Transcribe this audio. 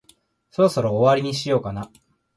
そろそろ終わりにしようかな。